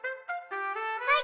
はい。